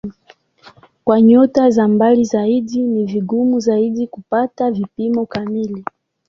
Kwa nyota za mbali zaidi ni vigumu zaidi kupata vipimo kamili.